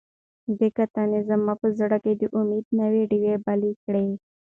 دې کتنې زما په زړه کې د امید نوې ډیوې بلې کړې.